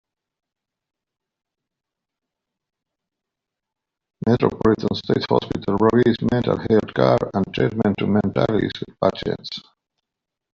Metropolitan State Hospital provides mental health care and treatment to mentally issued patients.